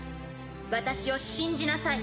私を信じなさい。